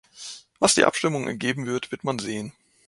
Was die Abstimmung ergeben wird, wird man sehen.